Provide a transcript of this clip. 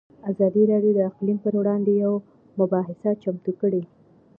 ازادي راډیو د اقلیم پر وړاندې یوه مباحثه چمتو کړې.